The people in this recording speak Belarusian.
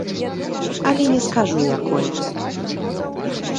Але не скажу, якое.